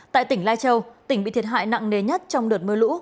tại tỉnh lai châu tỉnh bị thiệt hại nặng nề nhất trong đợt mưa lũ